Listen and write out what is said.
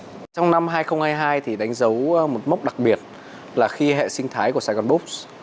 trong năm hai nghìn hai mươi hai thì đánh dấu một mốc đặc biệt là khi hệ sinh thái của sài gòn books